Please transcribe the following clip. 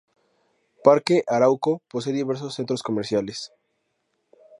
Parque Arauco posee diversos centros comerciales.